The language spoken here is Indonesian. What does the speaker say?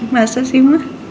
masa sih ma